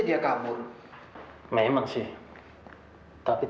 saya sampai tadi